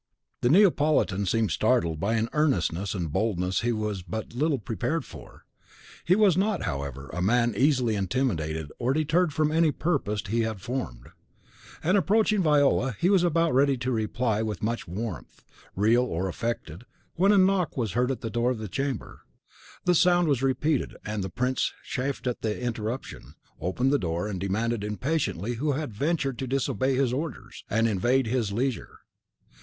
The Neapolitan seemed startled by an earnestness and boldness he was but little prepared for. He was not, however, a man easily intimidated or deterred from any purpose he had formed; and, approaching Viola, he was about to reply with much warmth, real or affected, when a knock was heard at the door of the chamber. The sound was repeated, and the prince, chafed at the interruption, opened the door and demanded impatiently who had ventured to disobey his orders, and invade his leisure.